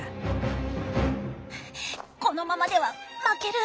このままでは負ける！